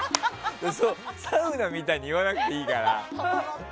サウナみたいに言わなくていいから。